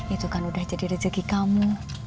itu kan udah jadi rezeki kamu